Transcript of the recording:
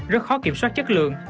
rất khó kiểm soát chất lượng